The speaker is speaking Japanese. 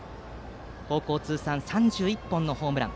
高校通算３１本のホームラン。